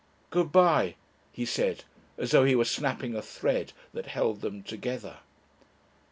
"Good bye," he said as though he was snapping a thread that held them together.